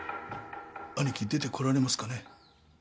兄貴出てこられますかね。